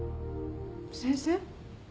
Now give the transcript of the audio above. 先生？